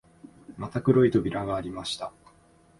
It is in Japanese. また黒い扉がありました